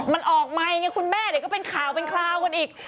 มันออกมาอย่างเงี้ยคุณแม่เดี๋ยวก็เป็นข่าวกันอีก